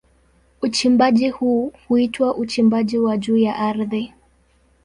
Uchimbaji huu huitwa uchimbaji wa juu ya ardhi.